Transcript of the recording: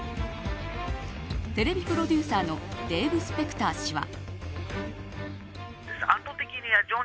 テレビプロデューサーのデーブ・スペクター氏は。